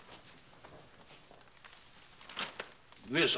上様？